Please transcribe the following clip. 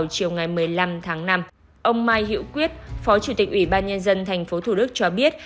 chiều ngày một mươi năm tháng năm ông mai hữu quyết phó chủ tịch ủy ban nhân dân tp thủ đức cho biết